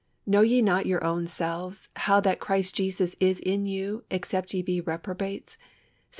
Know ye not your own selves, how that Jesus Christ is in you, except ye be reprobates" (2 Cor.